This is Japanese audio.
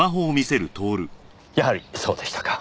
やはりそうでしたか。